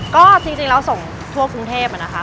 ก็จริงแล้วส่งทั่วกรุงเทพนะคะ